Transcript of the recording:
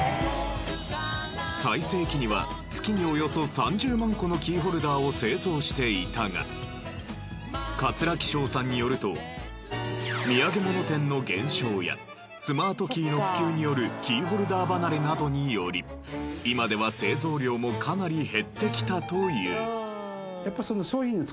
最盛期には月におよそ３０万個のキーホルダーを製造していたが桂記章さんによるとみやげ物店の減少やスマートキーの普及によるキーホルダー離れなどにより今では製造量もかなり減ってきたという。